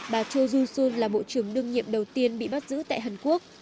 bà cho jun sun là bộ trưởng đương nhiệm đầu tiên bị bắt giữ tại hàn quốc